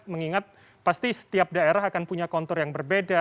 mengingat pasti setiap daerah akan punya kontur yang berbeda